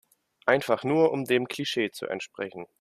Einfach nur um dem Klischee zu entsprechen.